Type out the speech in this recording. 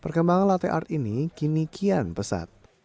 perkembangan latte art ini kini kian pesat